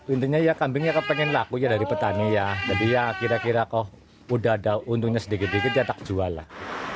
intinya ya kambingnya pengen laku ya dari petani ya jadi ya kira kira kok udah ada untungnya sedikit sedikit tak jual lah